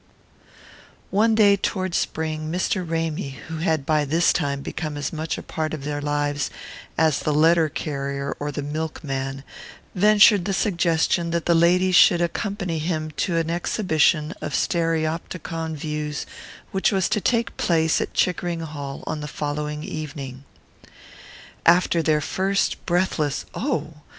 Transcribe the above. One day toward spring Mr. Ramy, who had by this time become as much a part of their lives as the letter carrier or the milkman, ventured the suggestion that the ladies should accompany him to an exhibition of stereopticon views which was to take place at Chickering Hall on the following evening. After their first breathless "Oh!"